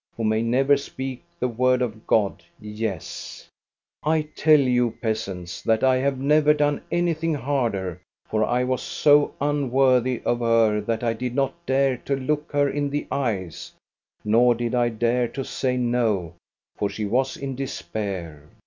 who may never speak the word of God. Yes, 414 THE STORY OF GOSTA BERLING I tell you, peasants, that I have never done anything harder; for I was so unworthy of her that I did not dare to look her in the eyes, nor did I dare say no, for she was in despair.